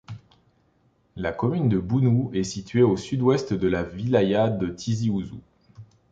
La commune de Bounouh est située au sud-ouest de la wilaya de Tizi Ouzou.